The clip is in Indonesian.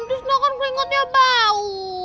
om tis lo kan keringatnya bau